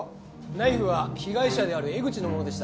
ナイフは被害者である江口のものでした。